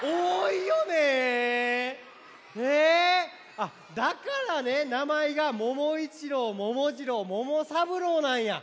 あっだからねなまえがももいちろうももじろうももさぶろうなんや。